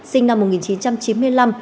sinh năm một nghìn chín trăm chín mươi